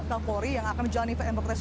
kapolri yang akan menjalani fit and proper test